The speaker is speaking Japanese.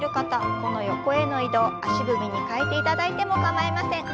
この横への移動足踏みに変えていただいても構いません。